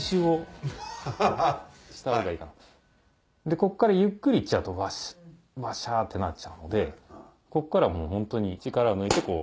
こっからゆっくりいっちゃうとワシャってなっちゃうのでこっからもうホントに力抜いてこう。